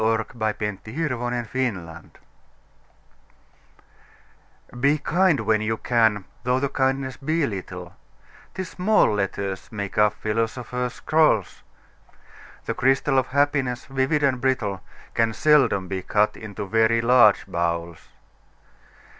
146033Be Kind When You CanEliza Cook Be kind when you can, though the kindness be little, 'Tis small letters make up philosophers' scrolls; The crystal of Happiness, vivid and brittle, Can seldom be cut into very large bowls.